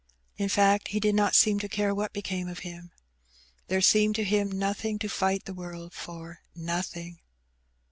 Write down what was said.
In fact, he did not seem to care what became of him. There seemed to him nothing to fight the world for^ nothing.